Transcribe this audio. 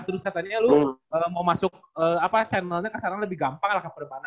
terus katanya lu mau masuk channelnya keserang lebih gampang lah keperbanas